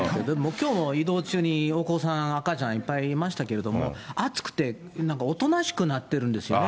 きょうも移動中にお子さん、赤ちゃんいっぱいいましたけど、暑くてなんかおとなしくなってるんですよね。